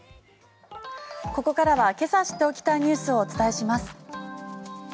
ここからはけさ知っておきたいニュースをお伝えします。